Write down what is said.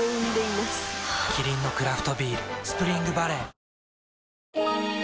キリンのクラフトビール「スプリングバレー」